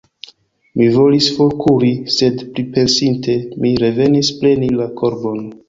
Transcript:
Mi volis forkuri, sed pripensinte mi revenis preni la korbon.